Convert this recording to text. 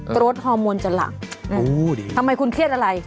ตรวจฮอร์โมนจนหลังอู้วดีทำไมคุณเครียดอะไร